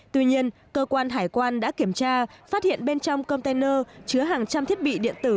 tuy nhiên cơ quan hải quan đã kiểm tra phát hiện bên trong container chứa hàng trăm thiết bị điện tử